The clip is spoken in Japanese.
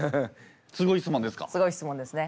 すごい質問ですか？